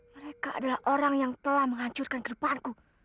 mereka adalah orang yang telah menghancurkan kedepanku